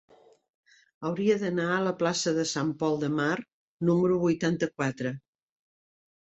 Hauria d'anar a la plaça de Sant Pol de Mar número vuitanta-quatre.